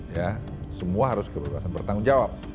ya semua harus kebebasan bertanggung jawab